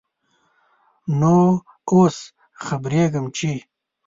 نوو اوس خبريږم ، چې ...